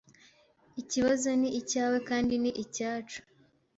Iki kibazo ni icyawe kandi ni icyacu.